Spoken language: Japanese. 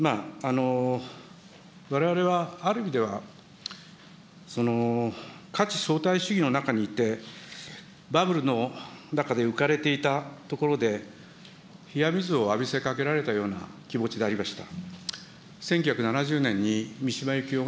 われわれはある意味では、かちそうたい主義の中にいて、バブルの中で浮かれていたところで冷や水を浴びせかけられたような気持ちでありました。